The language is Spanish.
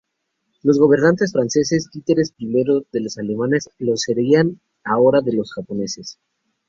Los gobernantes franceses, títeres primero de los alemanes, lo serían ahora de los japoneses.